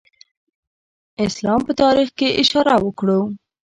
اسلام په تاریخ کې اشاره وکړو.